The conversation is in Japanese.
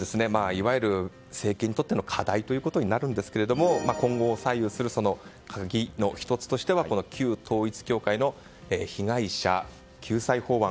いわゆる政権にとっての課題ということになるんですが今後を左右する鍵の１つとしては、旧統一教会の被害者救済法案。